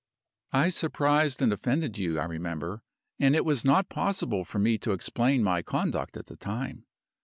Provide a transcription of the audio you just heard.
"I surprised and offended you, I remember; and it was not possible for me to explain my conduct at the time.